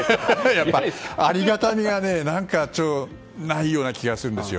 ありがたみがないような気がするんですよ。